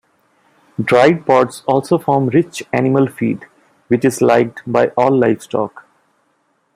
Dried pods also form rich animal feed, which is liked by all livestock.